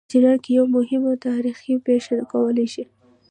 په جریان کې یوه مهمه تاریخي پېښه کولای شي.